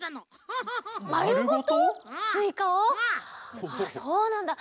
あそうなんだ。